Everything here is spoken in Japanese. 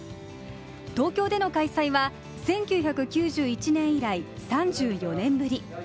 東京での開催は１９９１年以来、３４年ぶり。